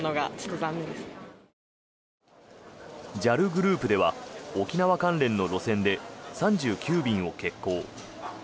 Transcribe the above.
ＪＡＬグループでは沖縄関連の路線で３９便を欠航。